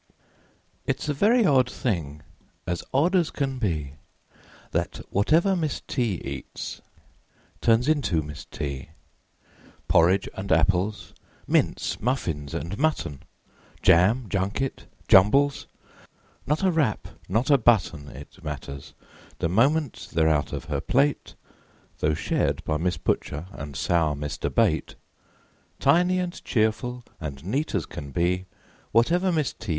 It's a very odd thing As odd as can be That whatever Miss T. eats Turns into Miss T.; Porridge and apples, Mince, muffins and mutton, Jam, junket, jumbles Not a rap, not a button It matters; the moment They're out of her plate, Though shared by Miss Butcher And sour Mr. Bate; Tiny and cheerful, And neat as can be, Whatever Miss T.